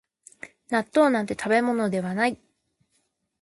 納豆なんて食べ物ではない